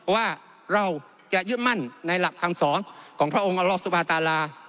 ว่าเราจะยึดมั่นในหลักคำสอนของพระองค์อรอบสุภาตารา